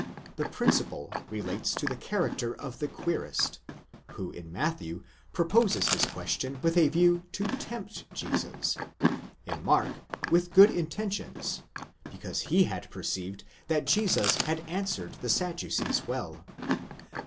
The principal relates to the character of the querist, who in Matthew proposes his question with a view to zempi Jesus (πειράζων) ; in Mark, with good intentions, because he had perceived that Jesus had answered the Sadducees well.